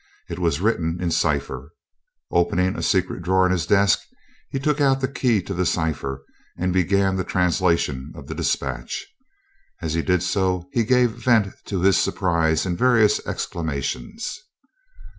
It was written in cipher. Opening a secret drawer in his desk, he took out the key to the cipher, and began the translation of the dispatch. As he did so, he gave vent to his surprise in various exclamations.